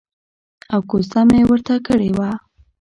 او کوزده مې ورته کړې وه.